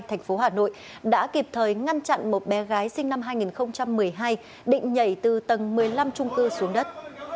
thành phố hà nội đã kịp thời ngăn chặn một bé gái sinh năm hai nghìn một mươi hai định nhảy từ tầng một mươi năm trung cư xuống đất